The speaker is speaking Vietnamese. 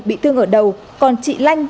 bị thương ở đầu còn chị lanh